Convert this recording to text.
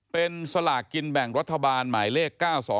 เป็นสลากกินแบ่งรัฐบาลหมายเลข๙๒